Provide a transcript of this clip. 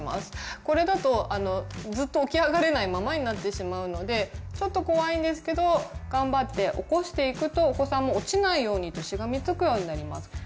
これだとずっと起き上がれないままになってしまうのでちょっと怖いんですけど頑張って起こしていくとお子さんも落ちないようにしがみつくようになります。